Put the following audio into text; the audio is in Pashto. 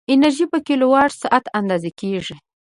انرژي په کیلووات ساعت اندازه کېږي.